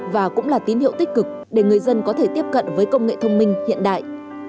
và cũng là tín hiệu tích cực để người dân có thể tiếp cận với công nghệ thông minh hiện đại